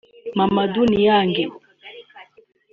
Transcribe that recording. Mamadou Niang